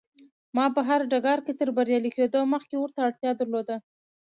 ما په هر ډګر کې تر بريالي کېدو مخکې ورته اړتيا درلوده.